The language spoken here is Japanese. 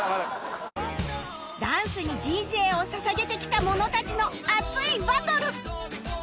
ダンスに人生を捧げてきた者たちの熱いバトル！